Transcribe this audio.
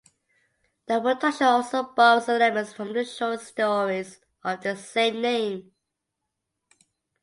The production also borrows elements from the short stories of the same name.